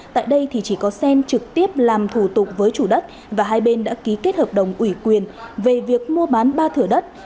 tại đây thì chỉ có xen trực tiếp làm thủ tục với chủ đất và hai bên đã ký kết hợp đồng ủy quyền về việc mua bán ba thửa đất